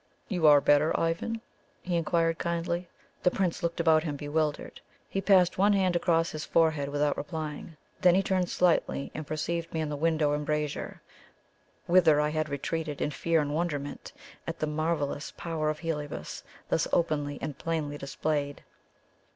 "You are better, Ivan?" he inquired kindly. The Prince looked about him, bewildered. He passed one hand across his forehead without replying. Then he turned slightly and perceived me in the window embrasure, whither I had retreated in fear and wonderment at the marvellous power of Heliobas, thus openly and plainly displayed.